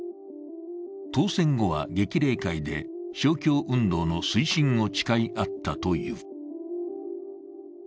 当選後は、激励会で勝共運動の推進を誓い合ったという。